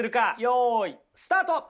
よいスタート。